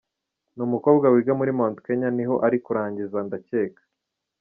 Ni umukobwa wiga muri Mount Kenya, niho ari kurangiza ndakeka.